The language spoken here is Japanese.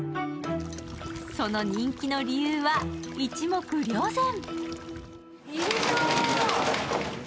その人気の理由は一目瞭然。